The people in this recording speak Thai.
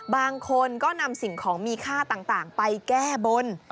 บางคนก็นำสิ่งของมีค่าต่างไปแก้บน